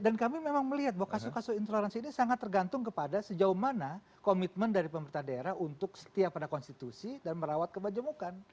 dan kami memang melihat bahwa kasus kasus intoleransi ini sangat tergantung kepada sejauh mana komitmen dari pemerintah daerah untuk setia pada konstitusi dan merawat kebajemukan